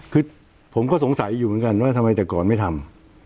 คือผมก็สงสัยอยู่เหมือนกันว่าทำไมแต่ก่อนไม่ทำ